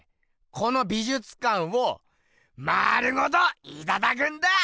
この美じゅつかんを丸ごといただくんだ！